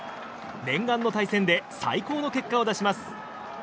念願の対戦で最高の結果を出します。